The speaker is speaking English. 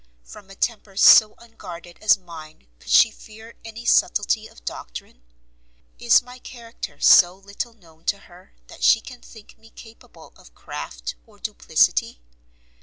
From a temper so unguarded as mine could she fear any subtlety of doctrine? Is my character so little known to her that she can think me capable of craft or duplicity?